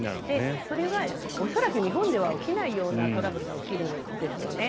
それは恐らく日本では起きないようなトラブルが起きるんですよね。